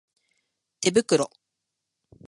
手袋